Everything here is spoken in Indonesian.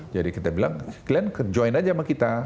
jadi kita bilang kalian join aja sama kita